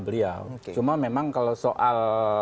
beliau cuma memang kalau soal